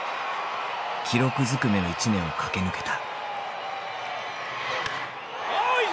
記録ずくめの一年を駆け抜けた。